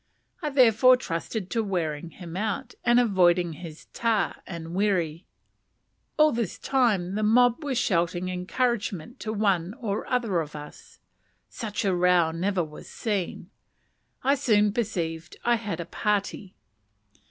I therefore trusted to wearing him out, and avoiding his ta and wiri. All this time the mob were shouting encouragement to one or other of us. Such a row never was seen. I soon perceived I had a "party."